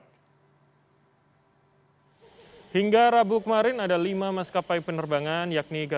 jelang gelaran motogp madalikat delapan belas hingga dua puluh maret mendatang